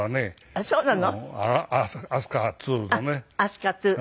あっそうなの。